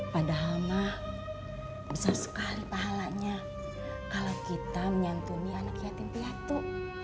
padahal mah besar sekali pahalanya kalau kita menyantuni anak yatim piatu